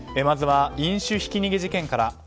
まずは飲酒ひき逃げ事件から。